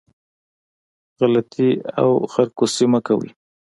غلطي او خرکوسي مه کوئ